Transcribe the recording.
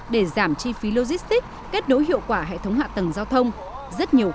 để giảm chi phí logistics kết nối hiệu quả hệ thống hạ tầng giao thông